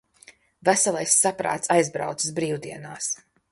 Veselais saprāts aizbraucis brīvdienās.